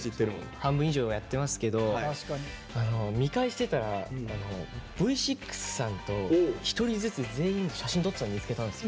半分以上やってますけど見返してたらＶ６さんと一人ずつ全員と写真撮ってたの見つけたんですよ。